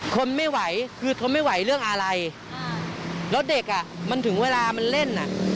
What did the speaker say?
ทนไม่ไหวคือทนไม่ไหวเรื่องอะไรแล้วเด็กอ่ะมันถึงเวลามันเล่นอ่ะ